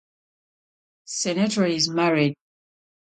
Cernuto is married.